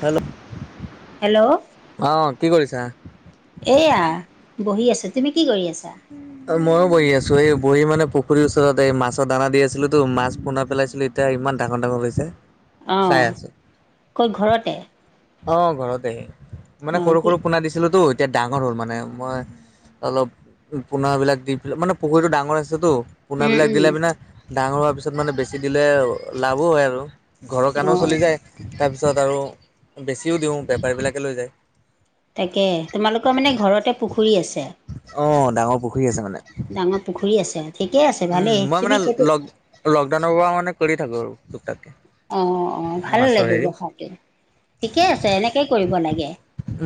Hello, hello অ', কি কৰিছা। এইয়া বহি আছোঁ, তুমি কি কৰি আছা। অ', ময়ো বহি আছো, এই বহি মানে পুখুৰীৰ ওচৰত এই মাছৰ দানা দি আছিলোতো, মাছ পোনা পেলাইছিলো এ এতিয়া ইমান ডাঙৰ ডাঙৰ হৈছে। চাই অ', আছো ক'ত ঘৰতে। অ', ঘৰতে, মানে অ সৰু কি সৰু পোনা দিছিলোতো এতিয়া ডাঙৰ হ'ল মানে মই অলপ [unintelligible] পোনা বিলাক দি পেলাই মানে পুখুৰীতো ডাঙৰ আছেতো উম পোনাবিলাক দিলে উম পিনে ডাঙৰ হোৱাৰ পিছত মানে বেছি দিলে লাভো হয় আৰু। ঘৰৰ অ কাৰণেও চলি যায় তাৰপিছত আৰু বেছিও দিও বেপাৰীবিলাকে লৈ যায়। তাকে তোমালোকৰ মানে ঘৰতে পুখুৰী আছে? অ, ডাঙৰ পুখুৰী আছে মানে। [unintelligible] পুখুৰী আছে ঠিকে আছে উম, ভালেই মই মানে তুমি সেইটো লগ লকডাউনৰ পা মানে কৰি থাকো আৰু। তুক তাকে অ', অ', ভাল লাগে ব্যৱসায়টো ঠিকে আছে এনেকে কৰিব লাগে।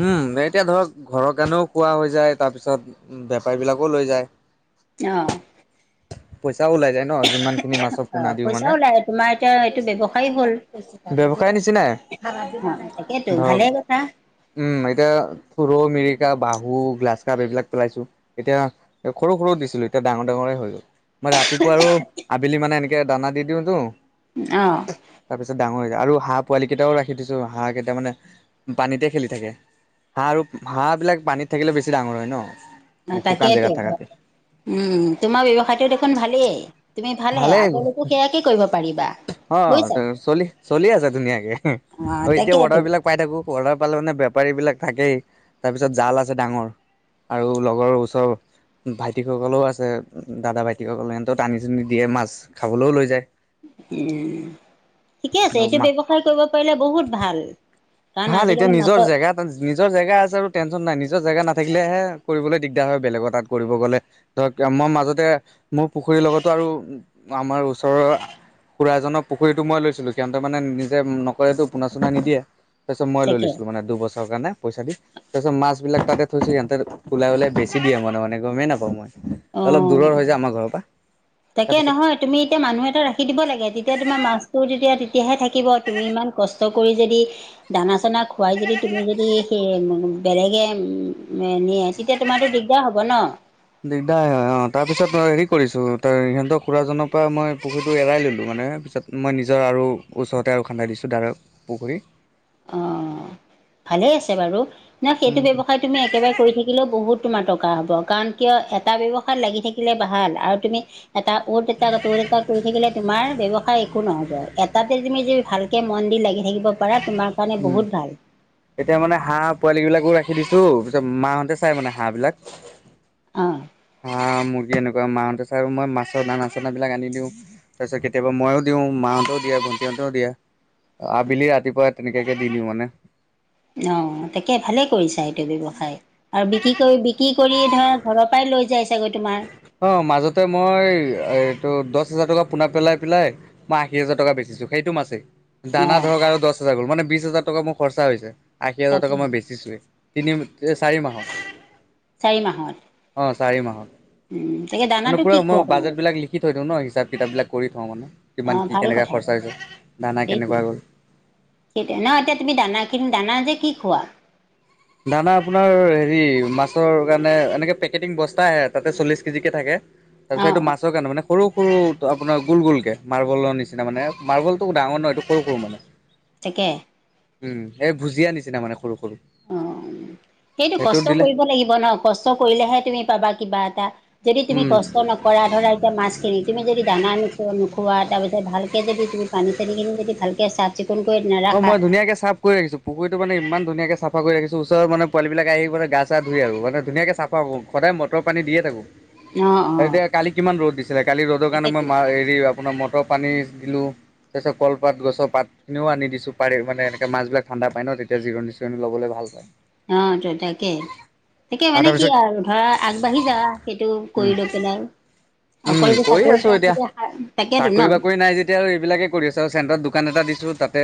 উম, এতিয়া ধৰক ঘৰৰ কাৰণেও খোৱা হৈ যায় তাৰ পিছত বেপাৰী বিলাকো লৈ যায়। অ', পইচাও ওলাই যায়। ন'যিমান খিনি মাছৰ অ পোনা দিওঁ মানে পইচাও লাগে তোমাৰ এতিয়া এইটো ব্যৱসায় হ'ল [unintelligible] বৱসায় নিচিনাই। অ তাকেতো [unintelligible] ধৰক ভালে কথা উম, এতিয়া সৰু মিৰিকা, বাহু, গ্লাছ কাপ এইবিলাক পেলাইছো এতিয়া এ সৰু-সৰু দিছিলোঁ এতিয়া ডাঙৰ ডাঙৰে হৈ গ'ল। মই ৰাতিপুৱা আৰু আবেলি মানে এনেকে দানা দি দিও তো অ', তাৰপিছত ডাঙৰ হৈ যায় আৰু হাঁহ পোৱালি কেইটাও ৰাখি দিছো হাঁহ কেইটা মানে পানীতে খেলি থাকে। হাঁহ আৰু হাঁহবিলাক পানীত থাকিলেও বেছি ডাঙৰ হয় ন'? আ, মানে শুকান তাকেতো জেগাত থাকাতে [unintelligible] উম, তোমাৰ ব্যৱসায়টো দেখোন ভালেই তুমি ভালহে ভালেই আগলৈকো সেয়াকে কৰিব পাৰিবা। অ, বুজিছা [unintelligible] চলি- চলি আছে ধুনীয়াকে আৰু অ', এতিয়া তাকেইতো অৰ্ডাৰ বিলাক পাই থাকো পৰ্দা পালোঁ মানে বেপাৰী বিলাক থাকেই তাৰ পিছত জাল আছে ডাঙৰ। আৰু লগৰ ওচৰ ভাইটিসকলেও আছে দাদা ভাইটিসকলে সেন্তেও টানি ছোঁনি দিয়ে মাছ খাবলৈও লৈ যায়। [unintelligible] ঠিকে আছে আৰু এইটো মা ব্যৱসায় কৰিব পাৰিলে বহুত ভাল। কাৰণ ভাল এতিয়া আজিকালি নিজৰ মাছত জেগাত নিজৰ জেগা আছে আৰু টেনশ্যন নাই নিজৰ জেগা নাথাকিলেহে কৰিবলৈ দিগদাৰ হয় বেলেগৰ তাত কৰিব গ'লে। ধৰক এয়া মই মাজতে মোৰ পুখুৰীৰ লগতো আৰু আমাৰ ওচৰৰ খুৰা এজনৰ পুখুৰীটো মই লৈছিলোঁ হিহন্তে মানে নিজে নকৰেতো পুনা- চোনা নিদিয়ে তাৰছত মই লৈ তাকে লৈছিলোঁ মানে দুবছৰ কাৰণে। পইচা দি তাৰ পিছত মাছ বিলাক তাতে থৈছে সিহিন্তৰ ওলাই - ওলাই বেছি দিয়ে মনে -মনে গমেই নাপাওঁ মই। অ, অলপ দূৰৰ হৈ যায় আমাৰ ঘৰৰ পৰা তাকে তাৰপিছত নহয়। তুমি এতিয়া মানুহ এটা ৰাখি দিব লাগে তেতিয়া তোমাৰ মাছটো তেতিয়া -তেতিয়াহে থাকিব তুমি ইমান কষ্ট কৰি যদি দানা চানা খুৱাই যদি তুমি যদি সেই বেলেগে নিয়ে তেতিয়া তোমাৰতো দিগদাৰ হ'ব ন? দিগদাৰ হয় অ, তাৰ পিছত মই হেৰি কৰিছো তাৰ সিহঁতৰ খুৰাজনৰ পৰা মই পুখুৰীটো এৰাই ল'লো মানে পিছত মই নিজৰ আৰু ওচৰতে আৰু খান্দাই দিছোঁ দা [unintelligible] পুখুৰী। অ, ভালে আছে বাৰু ন, সেইটো উম ব্যৱসায় তুমি একেবাৰে কৰি থাকিলেও বহুত তোমাৰ টকা হ'ব কাৰণ কিয় এটা ব্যৱসায় লাগি থাকিলে ভাল আৰু তুমি এটা অত এটা ত'ত এটা কৈ থাকিলে তোমাৰ ব্যৱসায় একো নহ'ব। এটাতে তুমি যদি ভালকে মন দি লাগি থাকিব পাৰা তোমাৰ কাৰণে উম বহুত ভাল। এতিয়া মানে হাঁহ পোৱালী বিলাকো ৰাখি দিছো পিছে মাহঁতে চাই মানে হাঁহবিলাক। অহ। হাঁহ, মুৰ্গী এনেকুৱা মাহঁতে চাই আৰু মই মাছৰ দানা -চানা বিলাক আনি দিওঁ। তাৰপিছত কেতিয়াবা ময়ো দিওঁ মাহঁতেও দিয়ে ভণ্টিহঁতেও দিয়ে। আবেলি ৰাতিপুৱা তেনেকেকে দি দিও মানে। অ, তাকে ভালেই কৰিছা এইটো ব্যৱসায়। আৰু বিক্ৰী কৰি -বিক্ৰী কৰি ধৰা ঘৰৰ পৰাই লৈ যায় চাগৈ তোমাৰ? অ মাজতে মই এইটো দহ হাজাৰ টকা পোনা পেলাই পেলাই মই আশী হাজাৰ টকা বেচিছো সেইটো মাছেই দানা অঁ ধৰক আৰু দহ হাজাৰ গ'ল মানে বিশ হাজাৰ টকা মোৰ খৰচা হৈছে আশী হাজাৰ তাকে টকা মই বেছিছোৱেই তিনি চাৰি মাহৰ চাৰি মাহত অ চাৰি উম, মাহত তাকে মানে দানাটো কি পুৰা খোৱা মই বাজেট তোমালোকে বিলাক লি লিখি থৈ দিওঁ ন হিচাপ কিতাপবিলাক কৰি থওঁ মানে কিমান অঁ কি ভাল কেনেকৈ কথা খৰচা হৈছে দানা কেনেকুৱা গ'ল তে ন এতিয়া তুমি দানা কিনি দানা যে কি খোৱা? দানা আপোনাৰ হেৰি মাছৰ কাৰণে এনেকে পেকেটিং বস্তা আহে তাতে চল্লিছ কেজিকে থাকে। তাৰ অ পিছত এইটো অ মাছ কাৰণে মানে। সৰু সৰু আপোনাৰ গোল গোলকে মাৰ্বলৰ নিচিনা মানে মাৰ্বলটোক ডাঙৰ নহয় এইটো সৰু সৰু মানে। [unintelligible] তাকে উম এই ভুজিয়া নিচিনা মানে সৰু সৰু অ সেইটো সেইটোত কষ্ট দিলে কৰিব লাগিব ন কষ্ট কৰিলেহে তুমি পাবা কিবা এটা যদি তুমি উম, কষ্ট ন কৰা ধৰা এতিয়া মাছখিনি তুমি যদি দানা নোছোৱা নোখোৱা তাৰপিছত ভালকে যদি তুমি পানী চানীখিনি যদি ভালকে চাব অ মই ধুনীয়াকে চাব কৰি ৰাখিছো পুখুৰীটো মানে ইমান ধুনীয়াকে চাফা কৰি ৰাখিছো ওচৰৰে মানে পোৱালীবিলাক আহি মানে গা ধুয়ে আৰু মানে ধুনীয়াকে সদায় মটৰ পানী দিয়ে থাকোঁ অ অ এতিয়া কালি কিমান ৰ'দ দিছিলে কালি ৰ'দৰ কাৰণে মই তাকেতো মা হেৰি আপোনাৰ মটৰ পানী দিলো তাৰ পিছত কলপাত গছৰ পাত খিনিও আনি দিছো চুপাৰ মানে এনেকে মাছবিলাক ঠাণ্ডা পাই ন তেতিয়া জিৰণি চিৰণি লবলৈ ভাল পায়। অ টৌ তাকে। তাকে আৰু মানে কি তাৰপিছত আৰু ধৰা আগবাঢ়ি যাবা সেইটো উম, কৰি লৈ পেলাই আৰু অকল উম, যে কৰি চাকৰি আছোঁ কাৰণে যে তাকেইতো চাকৰি ন বাকৰি নাই এতিয়া আৰু এইবিলাকে কৰি আছো আৰু চেণ্টাৰত দোকান এটা দিছো তাতে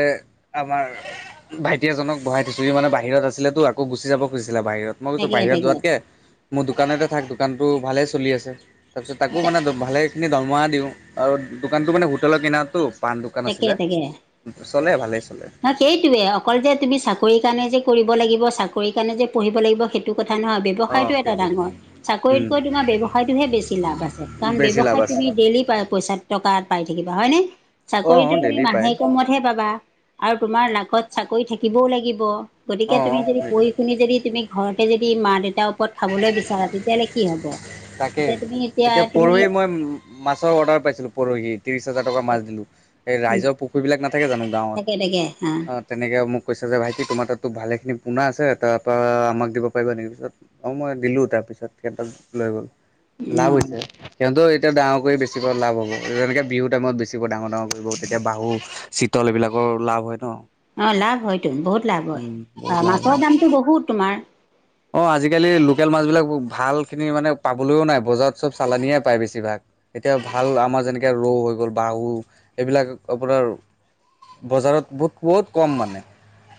আমাৰ ভাইটি এজনক বহাই থৈছো সি মানে বাহিৰত আছিলে আকৌ গুচি যাব খুজিছিলে বাহিৰত মই কৈছোঁ তাকে বাহিৰত তাকে যোৱাতকে মোৰ দোকানতে থাক দোকানটো ভালেই চলি আছে তাৰপিছত তাকো মানে ভালেখিনি দৰমহা দিওঁ আৰু দোকানটো মানে হোটেলত কিনাৰটো পাণ দোকান তাকে আছিলে তাকে চলে ভালেই চলে ন সেইটোৱে অকল যে তুমি চাকৰিৰ কাৰণে যে কৰিব লাগিব চাকৰিৰ কাৰণে যে পঢ়িব লাগিব সেইটো কথা নহয় ব অ ব্যৱসায়টো এটা সেইটোৱে ডাঙৰ উম চাকৰিতকৈ তোমাৰ ব্যৱসায়তোহে বেছি লাভ আছে কাৰণ বেছি লাভ ব্যৱসায়ত আছে তুমি ডেইলি পইচা দুটকা পাই থাকিবা হয়নে অ চাকৰিতটো তুমি ডেইলি পায় মাহেকে মোওত পাবা আৰু তোমাৰ লাকত চাকৰি থাকিবও লাগিব অ গতিকে তুমি যদি সেইটোৱে পঢ়ি শুনি যদি তুমি ঘৰতে যদি মা দেউতাৰ ওপৰত খাবলৈ বিচাৰা তেতিয়াহ'লে কি হব তাকেই এতিয়া তুমি এতিয়া তুমি পৰহি মই মাছৰ অৰ্ডাৰ পাইছিলো পৰহি ত্ৰিশ হাজাৰ টকা মাছ দিলো এই ৰাইজৰ পুখুৰী বিলাক নাথাকে জানো গাঁৱত তাকে তাকে হা তেনেকে মোক কৈছে যে ভাইটি কি তোমাৰ তাতো ভালেখিনি পোনা আছে তাৰপৰা আমাক দিব পাৰিব নেকি পিছত অ মই দিলো তাৰপিছত সিহঁতক লৈ গ'ল লাভ অ হৈছে সিহতো এতিয়া ডাঙৰ কৰি বেছিব লাভ হ'ব যেনেকৈ বিহু টাইমত বেছিব ডাঙৰ ডাঙৰ কৰিব তেতিয়া বাহু চিতল এইবিলাকৰ লাভ হয় ন অ লাভ হয়টো বহুত লাভ হয় উম বহুত লাভ মাছৰ হয় দামটো বহুত তোমাৰ অ আজিকালি লোকেল মাছ বিলাক ভাল খিনি মানে পাবলৈও নাই বজাৰত চব চালানিয়ে পায় বেছিভাগ এতিয়া ভাল আমাৰ যেনেকে ৰৌ হৈ গ'ল বাহু এইবিলাক আপোনাৰ বজাৰত বহুত - বহুত কম মানে।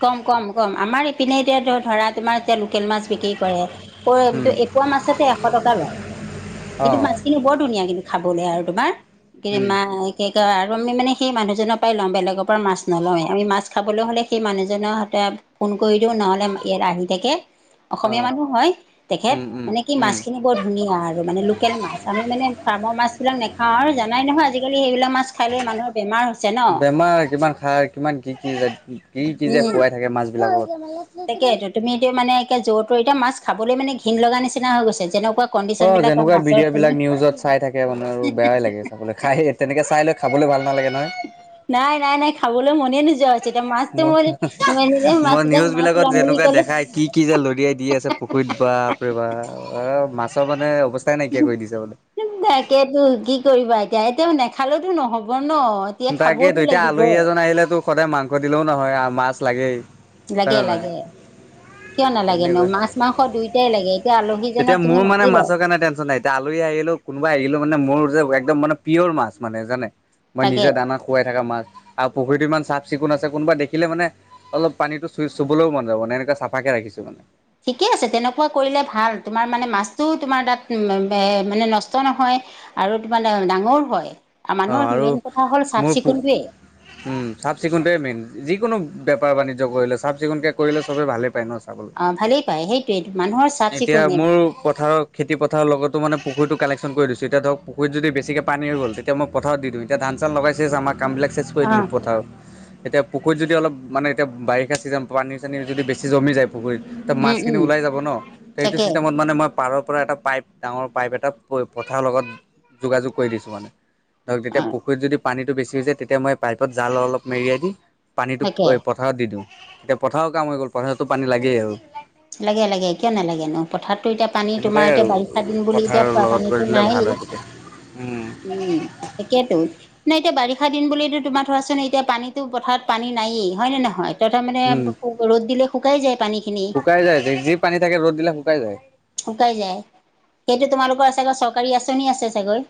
কম-কম-কম আমাৰ ইপিনে এতিয়া ধৰা তোমাৰ এতিয়া লোকেল মাছ বিক্ৰী কৰে। উম এপোৱা মাছেতে এশ টকা লয় অ কিন্তু মাছ কিন্তু বৰ ধুনীয়া কিন্তু খাবলৈ আৰু তোমাৰ কিন্ত উম মা সেইকাৰণ আৰু আমি মানে সেই মানুহজনৰ পৰাই লও বেগৰ পৰা মাছ নলওৱ আমি মাছ খাবলৈ হ'লে সেই মানুহজনৰ হতে ফোন কৰি দিও নহ'লে ইয়াত আহি থাকে অ অসমীয়া মানুহ হয়। তেখেত উম উম মানে কি উম মাছখিনি বৰ ধুনীয়া আৰু মানে লোকেল মাছ আমি মানে ফাৰ্মৰ মাছবিলাক ন হ আৰু জানাই নহয় আজিকালি সেইবিলাক মাছ খাই লৈ মানুহৰ বেমাৰ হৈছে ন। কি কিমান খাৰ কিমান কি - কি যে কি - কি যে উম খুৱাই থাকে মাছ বিলাকক। তাকেইটো তুমি এইটো মানে এতিয়া য'ৰ তৰ এতিয়া মাছ খাবলৈ মানে ঘিনণ লগা নিচিনা হৈ গৈছে যেনেকুৱা অ, কণ্ডিশ্যন বিলাকৰ যেনেকুৱা মাছৰ ভিডিঅ' খিনি বিলাক নিউজত চাই থাকে মানে আৰু বেয়াই লাগে। বাবলৈ খাই তেনেকৈ চাই লৈ খাবলৈ ভাল নালাগে নহয়। নাই- নাই- নাই খাবলৈ মনে নোযোৱা যেতিয়া মাছ দিম মই মই বুলি নিউজ মাছ বিলাকত লম বুলি যেনেকুৱা ক'লে দেখাই কি কি যে লদিয়াই দি আছে পুখুৰীত বাপৰে বাপ মাছৰ মানে অৱস্থাই নাইকিয়া কৰি দিছে বোলে। তাকেতো কি কৰিবা এতিয়া - এতিয়া নেখালেতো নহব ন। এতিয়া তাকেইতো খাবওতো এতিয়া লাগিব আলহী এজন আহিলে তো সদায় মাংস দিলেও নহয় আৰু মাছ লাগেই। হয় লাগে নে - নহয় লাগে কিয় নালাগে ন তেনেকুৱা। মাছ মাংস দুয়োটাই লাগে। এতিয়া তেতিয়া আলহীজনক তুমি মোৰ মানে মাতিলে মাছৰ কাৰণে টেনচন নাই। এ আলহী আহিলো কোনোবাই আহিলো মানে মোৰ যে একদম মানে পিয়ৰ মাছ মানে জানে মই তাকে নিজৰ দানত শুৱাই থকা মাছ আৰু পুখুৰীটো ইমান চাফ চিকুণ আছে কোনোবা দেখিলে মানে অলপ পানীটো চই চুবলৈ মন যাব মানে এনেকে চাফাকে ৰাখিছো মানে। ঠিকে আছে তেনেকুৱা কৰিলে ভাল তোমাৰ মানে মাছটোও তোমাৰ তাত মানে নষ্ট নহয়। আৰু ত মানে ডাঙৰ হয় আৰু অ মানুহৰ মেইন কথা হ'ল চাফ চিকুণতোয়ে। হুম চাফ চিকুণতোৱে মেইন যিকোনো বেপাৰ বাণিজ্য কৰিলে চাফ চিকুণকৈ কৰিলে চবেই ভালেই পায় ন চাবলৈ। ভালেই পায় সেইটোৱে মানুহৰ চাফ এতিয়া চিকুণে মোৰ পথাৰত খেতিপথাৰ লগতো মানে পুখুৰীতো কালেকচন কৰি দিচো। এতিয়া ধৰক পুখুৰীত যদি বেছিকৈ পানী হৈ গ'ল তেতিয়া মই পথাৰত দি দিওঁ এতিয়া ধান চান লগাইছে আমাৰ কামবিলাক চেছ কৰি অ দিলো পথাৰত। এতিয়া পুখুৰীত যদি অলপ মানে এতিয়া বাৰিষা চিজন পানী চানী যদি জমি যায় পুখুৰীত। ত উম মাছখিনি উম ওলাই যাব ন এইটো তাকে চিষ্টেমত মানে মই পাৰৰ পৰা এটা পাইপ ডাঙৰ পাইপ এটা পথাৰ লগত যোগাযোগ কৰি দিছো মানে। ধৰক তেতিয়া অ পুখুৰীত যদি পানীটো বেছি যায় তেতিয়া মই পাইপত জাল অলপ মেৰিয়াই দি তাকে পানীটো পথাৰত দি দিও এতিয়া পথাৰত কাম হৈ গ'ল পথাৰতো পানী লাগেই আৰু। লাগে - লাগে কিয় নালাগে নো পথাৰতো এতিয়া পানী তোমাৰ তেনেকুৱাই এতিয়া আৰু বাৰিষা দিন বুলি এতিয়া পথাৰৰ পোৱা লগত কৰি পানীতটো দিলে নাই ভাল হয় তেতিয়া। উম, উম, তাকেটো নাই এতিয়া বাৰিষা দিন বুলি তোমাৰ ধৰাচোন এতিয়া পানীতো পথাৰত পানী নায়েই হয় নে নহয়। ত তাত মানে উম, ৰ'দ দিলে শুকাই যায় পানীখিনি। শুকাই যায় যি পানী থাকে ৰ'দ দিলে শুকাই যায়। শুকাই যায় সেইটো তোমালোকৰ চাগৈ চৰকাৰী আঁচনি আছে চাগৈ?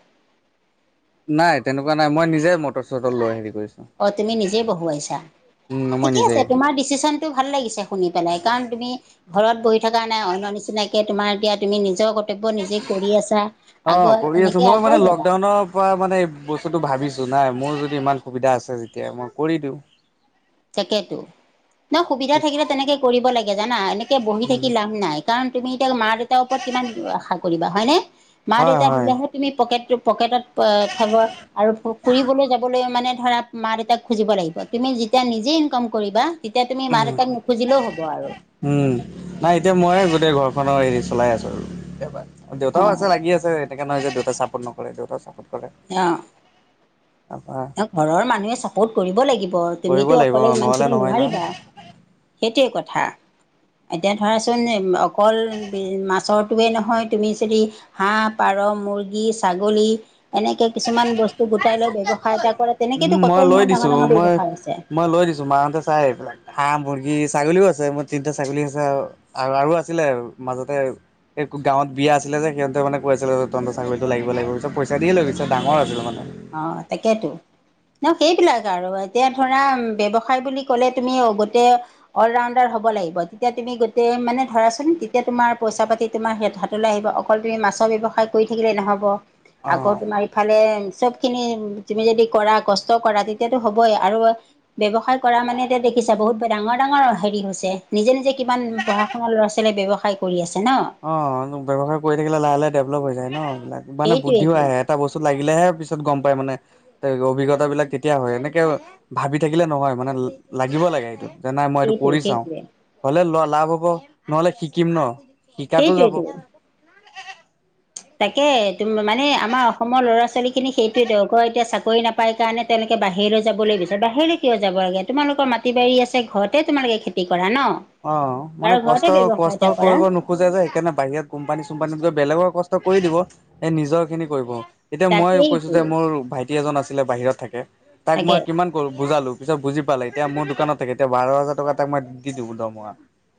নাই তেনেকুৱা নাই মই নিজে মটৰ চটৰ লৈ হেৰি কৰিছো। অ, তুমি নিজেই বহুৱাইছা উম, মই ঠিকে নিজে। আছে তোমাৰ ডিচিশচন টো ভাল লাগিছে শুনি পেলাই কাৰণ তুমি ঘৰত বহি থকা নাই অন্য নিচিনাকে তোমাৰ এতিয়া তুমি নিজৰ ক কৰ্তব্য নিজে কৰি আছা আগুৱাই এনেকে আগুৱাই যাবা। তা মানে এই বস্তুটো ভাবিছো নাই মোৰ যদি ইমান সুবিধা আছে যেতিয়া মই কৰি দিও। তাকেতো ন সুবিধা থাকিলে তেনেকে কৰিব লাগে জানা এনেকে বহি থাকি লাভ নাই। কাৰণ তুমি এতিয়া মা দেউতাৰ ওপৰত কিমান আশা কৰিবা হয়নে মা হয়, দেউতা হয়, দিলেহে। তুমি পকেট পকেটত থাক আৰু ফুৰিবলৈ যাবলৈ মানে ধৰা মা দেতাক খুজিব লাগিব। তুমি যেতিয়া নিজে ইনকাম কৰিবা তেতিয়া তুমি মা উম, দেউতাক নুখুজিলেও হ'ব আৰু। উম, নাই এতিয়া ময়ে গোটেই ঘৰখনৰ হেৰি চলাই আছো আৰু দেউতাও আছে অ লাগি আছে এনেকে নহয় যে দেউতাই চাপৰ্ট নৰে দেউতাও চাপৰ্ট কৰে। অ তাৰপৰা ঘৰৰ মানুহে চাপোৰ্ট কৰিব লাগিব কৰিব তুমিতো লাগিব অকলে ইমান নহ'লে খিনি নহয় নহয়। নোৱাৰিবা। এইটোৱেই কথা এতিয়া ধৰাচোন অকল মাছৰ তুমি নহয় তুমি যদি হাঁহ পাৰ মুৰ্গী ছাগলী এনেকে- কিছুমান বস্তু গোটাই লৈ ব্যৱসায় এটা কৰে উম তেনেকেতো কত মই লৈ ইমান ডাঙৰ দিছো ডাঙৰ মই ব্যৱসায় আছে মই লৈ দিছো মা হতে চাই এইবিলাক হাঁহ মুৰ্গী ছাগলীও আছে মোৰ তিনিটা ছাগলী আছে আৰু আৰু আছিলে মাজতে গাঁৱত বিয়া আছিলে যে সিহঁতে মান কৈ আছিলে যে তহঁতৰ ছাগলীটো লাগিব লাগিব পিছত পইচা দিয়ে লৈ গৈছে। ডাঙৰ হৈছিল মানে- অ, তাকেইতো। ন' সেইবিলাক আৰু এতিয়া ধৰা ব্যৱসায় বুলি ক'লে তুমি গতে অল ৰাউণ্ডাৰ হব লাগিব, তেতিয়া তুমি গোটেই মানে ধৰাচোন তেতিয়া তোমাৰ পইচা পাতি তোমাৰ হাতলৈ আহিব অকল তুমি মাছৰ ব্যৱসায় কৰি থাকিলে নহ'ব। আকৌ অঁ তোমাৰ ইফালে চব খিনি তুমি যদি কৰা কষ্ট কৰা তেতিয়াতো হ'বই আৰু ব্যৱসায় কৰা মানে এতিয়া দেখিছা বহুত ডাঙৰ ডাঙৰ হেৰি হৈছে নিজে নিজে কিমান পঢ়া ল'ৰা ছোৱালীয়ে ব্যৱসায় কৰি আছে ন। অ' ব্যৱসায় কৰি থাকিলে লাহে লাহে ডেভেলপ হৈ যায় ন এইবিলাক মানে বুদ্ধিও সেইটোৱেইটো আহে এটা বস্তুত লাগিলেহে পিছত গম পাই মানে। অভিজ্ঞতা বিলাক তেতিয়া হয় এনেকে ভাবি থাকিলে নহয় মানে লাগিব লাগে এইটো। যে নাই মই এইটো সেইটোৱে কৰি চাও সেইটোৱে হ'লে ল লাভ হ'ব নহ'লে শিকিম ন। শিকাতো যাব। সেইটোৱেইটো তাকে, তুমি মানে আমাৰ অসমৰ ল'ৰা ছোৱালী খিনি সেইটোৱে দৰকাৰ এতিয়া চাকৰি নাপ পাই কাৰণে তেওঁলোকে বাহিৰলৈ যাবলৈ বিচাৰে বাহিৰলৈ কিয় যাব লাগে। তোমালোকৰ মাটি বাৰী আছে ঘৰতে তোমাৰ খেতি খেতি কৰা ন। অ, মানে বাৰু ঘৰতে ব্যৱসায় কষ্ট-কষ্ট এটা কৰা কৰিব নো খোজে যে সেইকাৰণে বাহিৰত কোম্পানী চোম্পানীত গৈ বেলেগৰ কষ্ট কৰি দিব এই নিজৰ খিনি কৰিব। এতিয়া মই কৈছো তাকেইতো যে মোৰ ভাইটি এজন আছিলে বাহিৰত থাকে। তাক তাকে মই কিমান বুজালো পিছত বুজি পালে এতিয়া মোৰ দোকানত থাকে এতিয়া বাৰ হাজাৰ টকা তাক মই দি দিওঁ দৰমহা।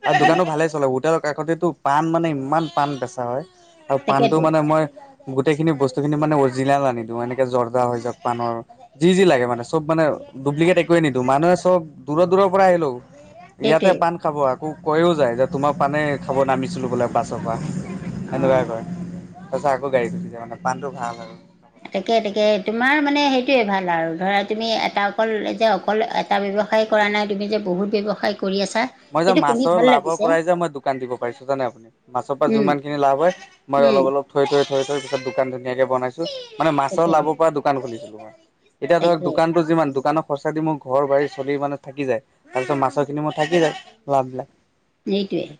আৰু অ দোকানো ভালে চলে হোটেলৰ কাষতেতো পান মানে ইমান পাণ বেচা হয়। আৰু পাণটো তাকেতো মানে মই গোটেইখিনি বস্তুখিনি মানে অৰিজিনেল আনি দিওঁ এনেকে জৰ্দা হৈ যাওক পানৰ। যি-যি লাগে মানে চব মানে ডু্ব্লিকেট একোৱে নিদো মানুহে চব দূৰৰ-দূৰৰ পৰা আহিলেও। ইয়াতে সেইটোৱে পাণ খাব আকৌ কৈও যায় যে তোমাৰ পানেই খাব নামিছিলো বোলে বাছৰ পৰা। অ সেনেকুৱাই কয় তাৰ পিছত আকৌ গাড়ীত গুচি যায় মানে পাণটো ভাল আৰু। তাকে-তাকে তোমাৰ মানে সেইটোয়ে ভাল আৰু ধৰা তুমি এটা অকল যে অকল এটা ব্যৱসায় কৰা নাই তুমি যে বহুত ব্যৱসায় কৰি আছা। মই যে সেইটো শুনি মাছৰ ভাল লাভৰ লাগিছে পৰাই যে মই দোকান দিব পাৰিছো জানে আপুনি। মাছৰ পৰা উম যিমান খিনি লাভ হয় মই উম অলপ-অলপ থৈ-থৈ-থৈ-থৈ পিছত দোকান ধুনীয়াকে বনাইছো মানে মাছৰ তাকে লাভ পৰা দোকান খুলিছিলো মই। এতিয়া ধৰক তাকে দোকানতো যিমান দোকানৰ খৰচা দি মোৰ ঘৰ বাৰী চলি মানে থাকি যায়। তাৰপিছত মাছৰখিনি মই থাকি যায় লাভ বিলাক। সেইটোৱে,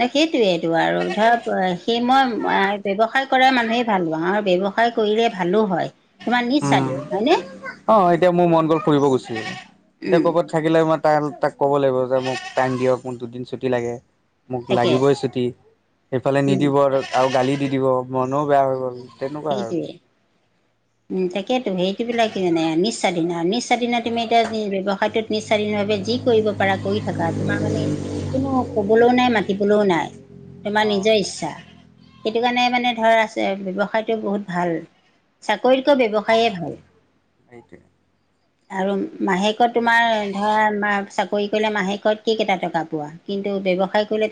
নে সেইটয়েইটো আৰু ধৰক সেই মই ব্যয়ৱসায় কৰা মানুহে ভাল হয় আৰু ব্যৱসায় কৰিলে ভালো হয়। তোমাৰ নিজ উম, স্বাধীন হয়নে অ, এতিয়া মোৰ মন গ'ল ফুৰিব গৈছিলোঁ এতিয়া উম কৰ'বাত থাকিলে মই তাৰ তাক ক'ব লাগিব যে মোক টাইম দিয়ক মোক দুদিন ছুটি লাগে। মোক তাকে লাগিবই চুটি এইফালে উম নিদিব আৰু আও গালি দি দিব মনো বেয়া হৈ গ'ল। তেনেকুৱা আৰু। সেইটোৱে উম, তাকেতো সেইটো বিলাক কি মানে নিজ স্বাধীন নিজ স্বাধীন তুমি এতিয়া ব্যৱসায়টোত। নিজ স্বাধীন ভাৱে যি কৰিব পাৰা কৰি থকা তোমাৰ মানে কোনো কবলো নাই মাতিবলো নাই। অ তোমাৰ নিজৰ ইচ্ছা সেইটো কাৰণে মানে ধৰ আছে ব্যৱসায়। বহুত ভাল, চাকৰিতকৈ ব্যৱসায়ে ভাল। সেইটোৱে। আৰু মাহেকত তোমাৰ ধৰা চাকৰি কৰিলে মাহেকত কি কেইটা টকা পোৱা। কিন্তু ব্যৱসায় কৰিলে